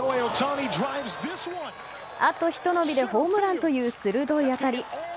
あとひと伸びでホームランという鋭い当たり。